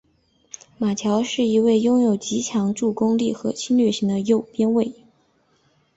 马乔是一位拥有极强助攻力和侵略性的右边卫。